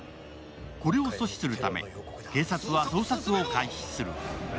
これを阻止するため警察は捜索を開始する。